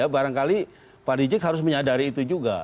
barangkali pak rizik harus menyadari itu juga